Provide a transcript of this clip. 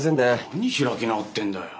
何開き直ってんだよ。